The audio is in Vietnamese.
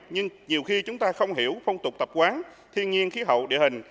nhưng nhiều khi chúng ta không hiểu phong tục tập quán thiên nhiên khí hậu địa hình